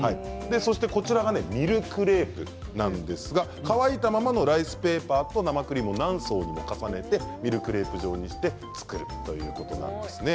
そしてミルクレープ乾いたままのライスペーパーを何層にも重ねてミルクレープ状にして作るということなんです。